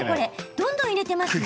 どんどん入れています。